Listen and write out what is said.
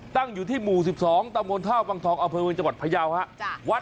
แต่อยู่ที่หมู่สิบสองตามวนท่าวางทองอาพบริเวณจังหวัดพยาว